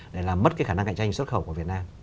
để làm mất cái khả năng cạnh tranh xuất khẩu của việt nam